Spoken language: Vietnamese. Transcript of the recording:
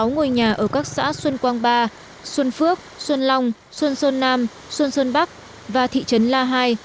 một trăm tám mươi sáu ngôi nhà ở các xã xuân quang ba xuân phước xuân long xuân xuân nam xuân xuân bắc và thị trấn la hai